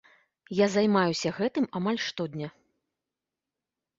Я займаюся гэтым амаль штодня.